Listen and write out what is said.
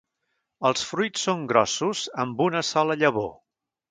Els fruits són grossos amb una sola llavor.